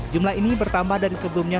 jumlah ini bertambah dari sebelumnya